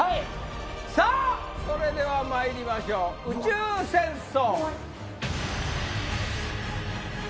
それではまいりましょう宇宙戦争。